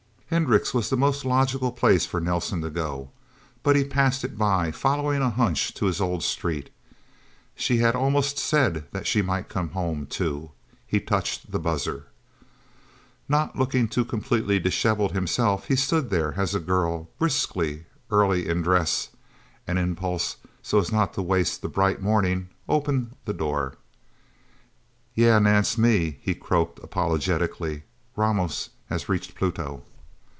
Hendricks' was the most logical place for Nelsen to go, but he passed it by, following a hunch to his old street. She had almost said that she might come home, too. He touched the buzzer. Not looking too completely dishevelled himself, he stood there, as a girl briskly early in dress and impulse, so as not to waste the bright morning opened the door. "Yeah, Nance me," he croaked apologetically. "Ramos has reached Pluto!"